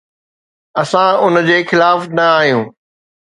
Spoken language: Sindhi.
اسان ان جي خلاف نه آهيون.